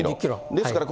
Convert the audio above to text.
ですから